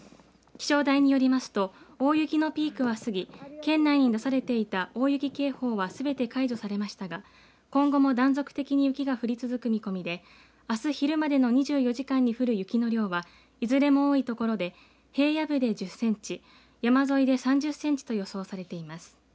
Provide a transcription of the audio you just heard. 気象台によりますと大雪のピークは過ぎ県内に出されていた大雪警報はすべて解除されましたが今後も断続的に雪が降り続く見込みであす昼までの２４時間に降る雪の量はいずれも多い所で平野部で１０センチ山沿いで３０センチと予想されています。